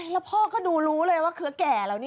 แล้วพ่อก็ดูรู้เลยว่าเครือแก่เหล่านี้